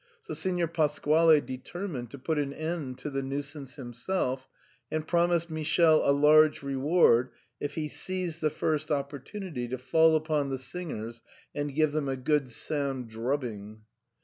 So Signor Pasquale determined to put an end to the nuisance himself, and promised Michele a large reward if he seized the first opportunity to fall upon the sing ers and give them a good sound drubbing.